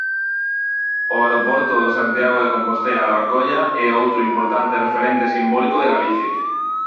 O aeroporto de Santiago de Compostela-Lavacolla é outro importante referente simbólico de Galicia.